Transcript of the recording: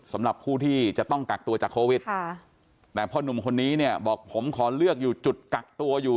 สำหรับผู้ที่จะต้องกักตัวจากโควิดแต่พ่อหนุ่มคนนี้เนี่ยบอกผมขอเลือกอยู่จุดกักตัวอยู่